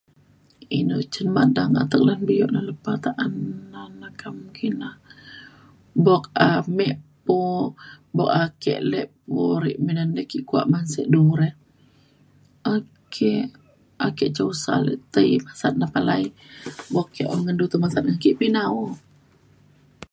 inu cen madang atek lan bio da lepa ta’an dalem kem kina. buk ame pu- buk ake [unintelligible] kuak ban se nu re ake ake susah le ti masat ne palai buk ku ndu masat ngan ke pina o